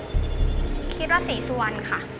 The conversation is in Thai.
คิดว่าศรีสุวรรณค่ะ